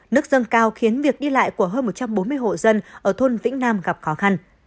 nước dâng cao khiến việc đi lại của hơn một trăm bốn mươi hộ dân ở thôn vĩnh nam gặp khó khăn